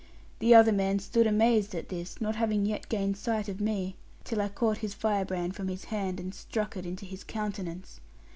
The other man stood amazed at this, not having yet gained sight of me; till I caught his firebrand from his hand, and struck it into his countenance.